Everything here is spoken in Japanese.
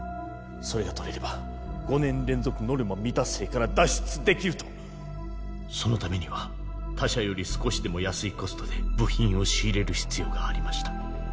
それが取れれば５年連続ノルマ未達成から脱出できるとそのためには他社より少しでも安いコストで部品を仕入れる必要がありました